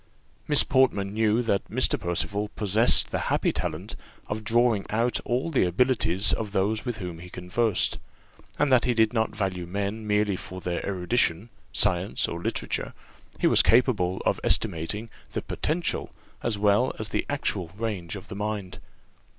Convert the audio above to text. Miss Portman knew that Mr. Percival possessed the happy talent of drawing out all the abilities of those with whom he conversed, and that he did not value men merely for their erudition, science, or literature; he was capable of estimating the potential as well as the actual range of the mind.